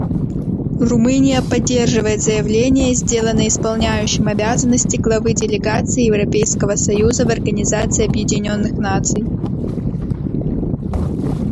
Румыния поддерживает заявление, сделанное исполняющим обязанности главы делегации Европейского союза в Организации Объединенных Наций.